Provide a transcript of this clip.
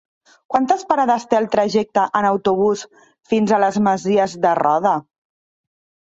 Quantes parades té el trajecte en autobús fins a les Masies de Roda?